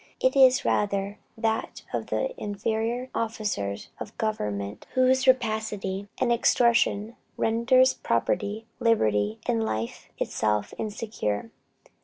It is rather that of the inferior officers of government whose rapacity and extortion renders property, liberty, and life itself insecure.